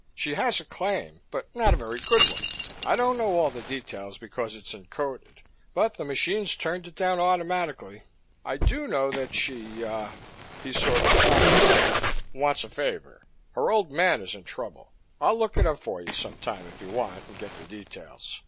She has a claim, but not a very good one. I don't know all the details, because it's encoded, but the machines turned it down automatically. I do know that she, uh " he sort of half winked "wants a favor. Her old man is in trouble. I'll look it up for you some time, if you want, and get the details.